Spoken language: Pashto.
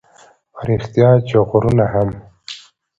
په رښتیا چې غرونه هم